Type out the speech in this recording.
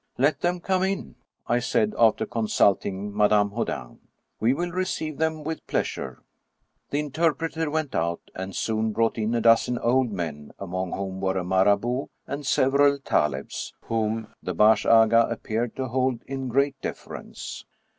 " Let them come in," I said, after consulting Madame Houdin, " we will receive them with pleasure." The interpreter went out, and soon brought in a dozen old men, among whom were a Marabout and several talebs, whom the bash aga appeared to hold in great deference.